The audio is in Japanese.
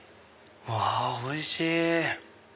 うわおいしい。